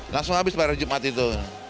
langsung habis pada hari jumat itu